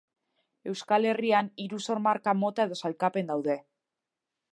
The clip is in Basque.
Euskal Herrian, hiru sor-marka mota edo sailkapen daude.